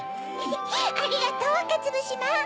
ありがとうかつぶしまん！